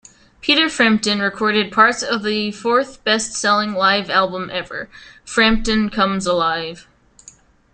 Peter Frampton recorded parts of the fourth best-selling live album ever, Frampton Comes Alive!